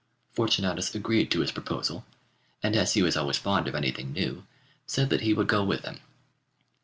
Fortunatus agreed to his proposal, and as he was always fond of anything new, said that he would go with him.